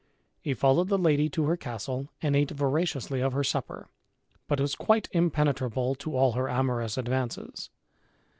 He followed the lady to her castle and ate voraciously of her supper, but was quite impenetrable to all her amorous advances.